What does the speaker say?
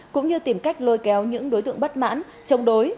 cũng như tìm cách lôi kéo những đối tượng bất mãn chống đối